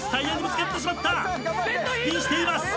スピンしています。